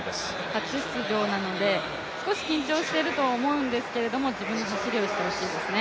初出場なので少し緊張していると思うんですけど自分の走りをしてほしいですね。